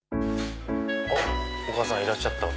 お母さんいらっしゃった。